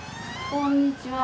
こんにちは。